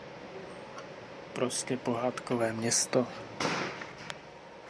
Prostě pohádkové město.